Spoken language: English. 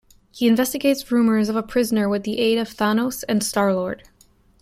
He investigates rumors of a prisoner with the aid of Thanos and Star-Lord.